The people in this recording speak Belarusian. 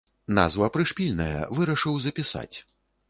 Назва прышпільная, вырашыў запісаць.